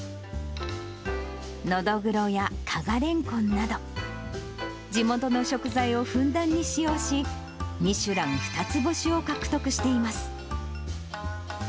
のどぐろやかがれんこんなど、地元の食材をふんだんに使用し、ミシュラン２つ星を獲得しています。